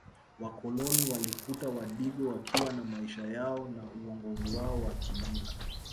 Wakoloni walikuta Wadigo wakiwa na maisha yao na uongozi wao wa kimila